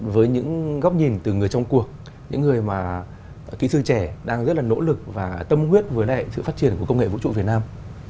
với những góc nhìn từ người trong cuộc những người mà kỹ sư trẻ đang rất là nỗ lực và tâm huyết với lại sự phát triển của công nghệ vũ trụ việt nam